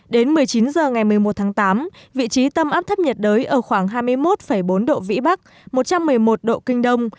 đến một mươi chín h ngày một mươi một tháng tám vị trí tâm áp thấp nhiệt đới ở khoảng hai mươi một bốn độ vĩ bắc một trăm một mươi một độ kinh đông